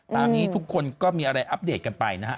ตามนี้ทุกคนก็มีอะไรอัปเดตกันไปนะฮะ